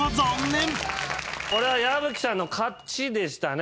これは矢吹さんの勝ちでしたね。